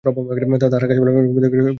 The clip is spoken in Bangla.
তাঁহার গাছপালাগুলির মধ্যে গিয়া বসিলেন।